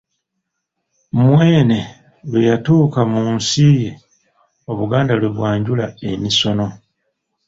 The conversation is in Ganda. Mwene lwe yatuuka mu nsi ye, Obuganda lwe bwanjula emisono.